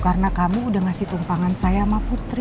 karena kamu udah ngasih tumpangan saya sama putri